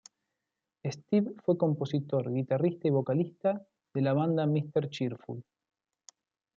Steve fue compositor, guitarrista y vocalista de la banda Mr.Cheerful.